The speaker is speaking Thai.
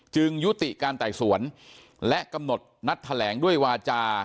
ยุติการไต่สวนและกำหนดนัดแถลงด้วยวาจา